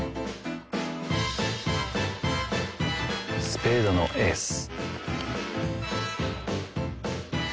スペードのエース。